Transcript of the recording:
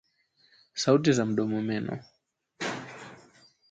Sauti za mdomo-meno